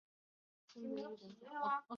曾获中国国家科技进步一等奖。